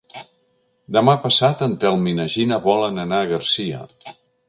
Demà passat en Telm i na Gina volen anar a Garcia.